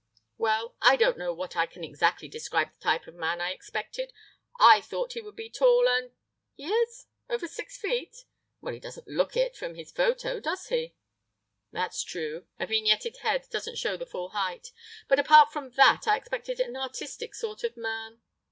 "Well, I don't know that I can exactly describe the type of man I expected. I thought he would be tall and—— "He is? Over six feet? Well, he doesn't look it from his photo, does he?... "That's true; a vignetted head doesn't show the full height. But apart from that, I expected an artistic sort of man....